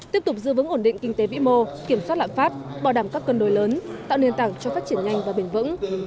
tiếp tục giữ vững ổn định kinh tế vĩ mô kiểm soát lạm phát bảo đảm các cân đối lớn tạo nền tảng cho phát triển nhanh và bền vững